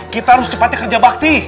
kita harus cepatnya kerja bakti